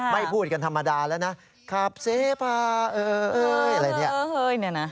ไม่พูดกันธรรมดาแล้วนะขับเสพาเออเอ้ยอะไรแบบนี้